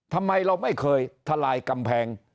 ทำไมเราไม่เคยทลายกำแพง